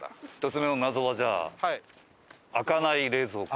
１つ目の謎はじゃあ開かない冷蔵庫。